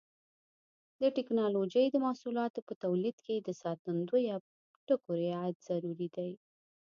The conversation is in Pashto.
د ټېکنالوجۍ د محصولاتو په تولید کې د ساتندویه ټکو رعایت ضروري دی.